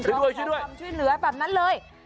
ช่วยด้วยช่วยด้วยความช่วยเหลือแบบนั้นเลย